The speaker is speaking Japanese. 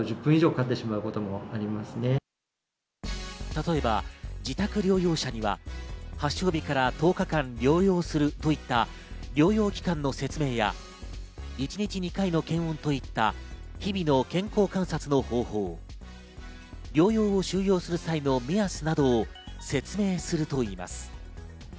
例えば自宅療養者には発症日から１０日間療養するといった療養期間の説明や、一日２回の検温といった日々の健康観察の方法、療養を終了する際の目安などを説明するといいます。